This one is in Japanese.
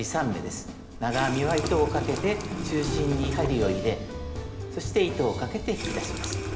長編みは糸をかけて中心に針を入れそして糸をかけて引き出します。